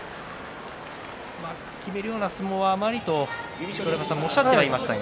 きめるような相撲はあまりとおっしゃっていましたが。